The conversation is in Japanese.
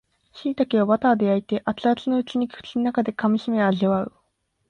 しいたけをバターで焼いて熱々のうちに口の中で噛みしめ味わう